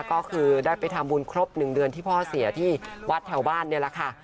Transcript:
ก็คือได้ไปทำบุญครบ๑เดือนที่พ่อเสียที่วัดแถวบ้านนี่แหละค่ะ